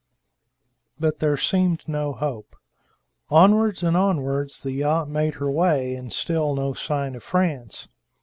But there seemed no hope. Onwards and onwards the yacht made her way, and still no sign of France.